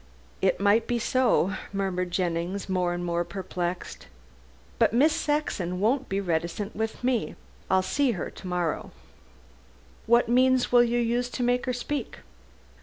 "It might be so," murmured Jennings, more and more perplexed. "But Miss Saxon won't be reticent with me. I'll see her to morrow." "What means will you use to make her speak?"